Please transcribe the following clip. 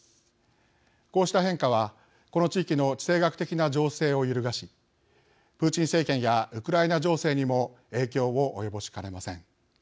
こうした変化は、この地域の地政学的な情勢を揺るがしプーチン政権やウクライナ情勢にも影響を及ぼしかねません。